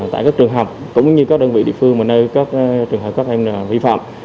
tại các trường hợp cũng như các đơn vị địa phương mà nơi các trường hợp các hành vi vi phạm